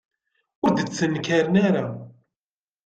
Ur d-ttnekkaren ara.